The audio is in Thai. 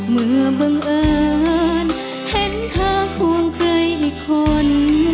เมื่อบังเอิญเห็นเธอควงใครดีคน